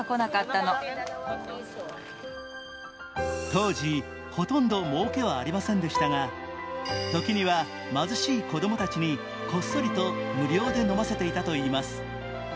当時、ほとんどもうけはありませんでしたが時には貧しい子供たちにこっそりと無料で飲ませていたといいます。